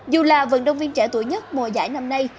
dù là vận động viên trẻ tuổi nhất mùa giải năm nay